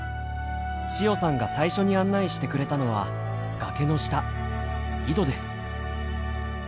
千代さんが最初に案内してくれたのは崖の下井戸です。